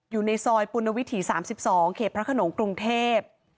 อยู่ในซอยปุณวิถี๓๒เขตพระขนงกรุงเทพ